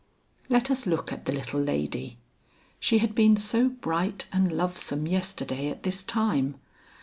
Let us look at the little lady. She had been so bright and lovesome yesterday at this time.